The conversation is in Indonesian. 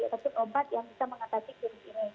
satu obat yang bisa mengatasi virus ini